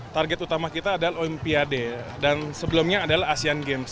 target utama kita adalah olimpiade dan sebelumnya adalah asean games